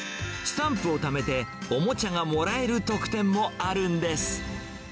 スタンプをためて、おもちゃがもらえる特典もあるんです。